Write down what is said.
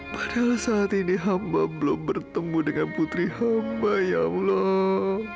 padahal saat ini hamba belum bertemu dengan putri hamba ya allah